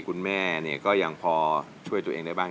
คุณแม่เนี่ยก็ยังพอช่วยตัวเองได้บ้าง